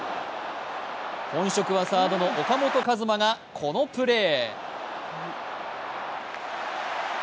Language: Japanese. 本職はサードの岡本和真がこのプレー。